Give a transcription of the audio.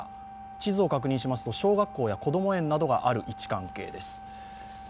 地図を確認しますと、小学校やこども園などがある位置関係です。